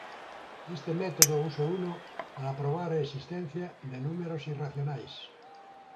Este método usouno para probar a existencia de números irracionais.